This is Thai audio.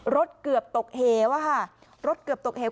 เกือบตกเหวอะค่ะรถเกือบตกเหว